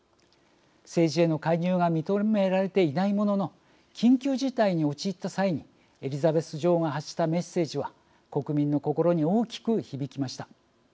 政治への介入が認められていないものの緊急事態に陥った際にエリザベス女王が発したメッセージは国民の心に大きく響きました。